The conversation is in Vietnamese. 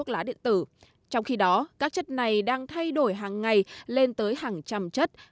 và các phòng xét nghiệm chuyên sâu đang thay đổi hàng ngày lên tới hàng trăm chất